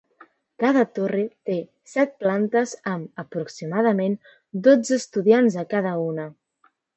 Cada torre té set plantes amb aproximadament dotze estudiants a cada una.